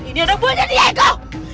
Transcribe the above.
kalian ini anak buahnya diego